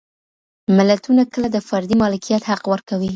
ملتونه کله د فردي مالکیت حق ورکوي؟